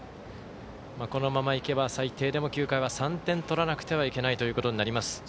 このままいけば最低でも９回は３点取らなければいけないということになります。